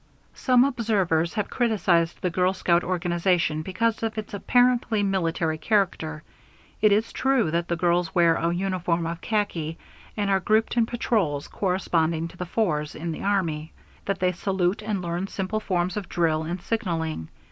Some observers have criticized the girl scout organization because of its apparently military character. It is true that the girls wear a uniform of khaki and are grouped in patrols corresponding to the "fours" in the Army; that they salute and learn simple forms of drill and signaling.